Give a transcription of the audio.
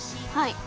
はい。